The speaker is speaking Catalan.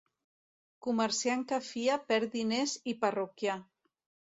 Comerciant que fia perd diners i parroquià.